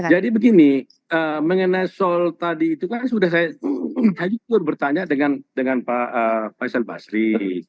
jadi begini mengenai soal tadi itu kan sudah saya bertanya dengan pak faisal basri